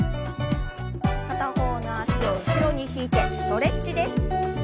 片方の脚を後ろに引いてストレッチです。